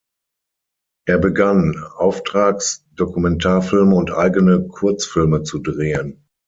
Er begann, Auftrags-Dokumentarfilme und eigene Kurzfilme zu drehen.